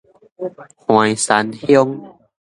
橫山鄉